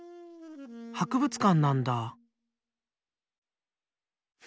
博物館なんだ。